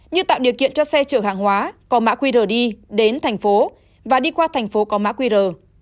như tạo điều kiện cho xe chở hàng hóa có mã qr đi đến thành phố và đi qua thành phố có mã qr